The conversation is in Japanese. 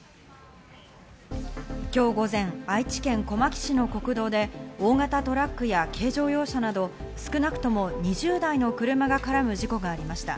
今日午前、愛知県小牧市の国道で大型トラックや軽乗用車など少なくとも２０台の車が絡む事故がありました。